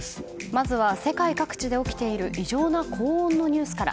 まずは世界各地で起きている異常な高温のニュースから。